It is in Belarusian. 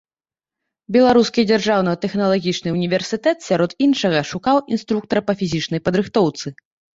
Беларускі дзяржаўны тэхналагічны універсітэт, сярод іншага, шукаў інструктара па фізічнай падрыхтоўцы.